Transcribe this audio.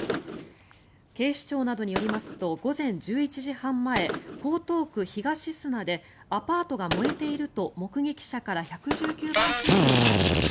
警視庁などによりますと午前１１時半前、江東区東砂でアパートが燃えていると目撃者から１１９番通報がありました。